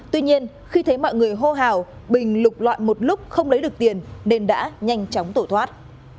tuy nhiên khi thấy mọi người hô hào bình lục loại một lúc không lấy được tiền nên đã nhanh chóng tổ thoát